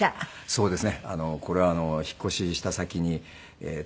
そうです。